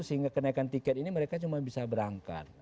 sehingga kenaikan tiket ini mereka cuma bisa berangkat